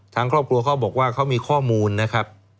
ทางครอบครัวเขาบอกว่าเขามีข้อมูลนะครับ